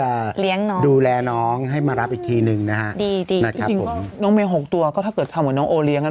ถ้าเดี๋ยวมันเดินชนกันมันข้าบมั่วส้วยหมดนะ